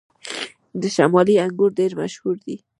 د شمالي انګور ډیر مشهور دي